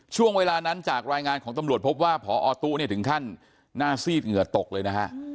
ช่วงเวลานั้นจากรายงานของตำรวจพบว่าพอตู้เนี่ยถึงขั้นหน้าซีดเหงื่อตกเลยนะฮะ